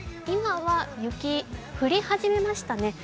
今は雪、降り始めましたね。